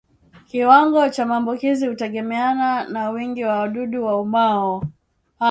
Kiwango cha maambukizi hutegemeana na wingi wa wadudu waumao